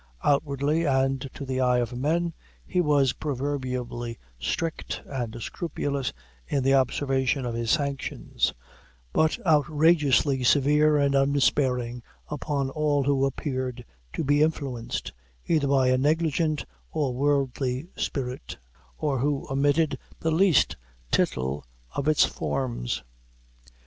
Outwardly, and to the eye of men, he was proverbially strict and scrupulous in the observation of its sanctions, but outrageously severe and unsparing upon all who appeared to be influenced either by a negligent or worldly spirit, or who omitted the least tittle of its forms.